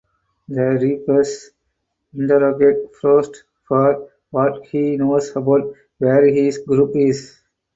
The Reapers interrogate Frost for what he knows about where his group is.